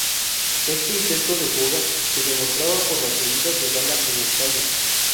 Este intento de fuga se demostraba por las heridas de bala en la espalda.